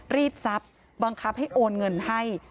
รีดทรัพย์บังคับให้โอนเงินให้